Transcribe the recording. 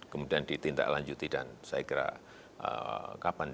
kemudian ditindak lanjuti dan saya kira kapan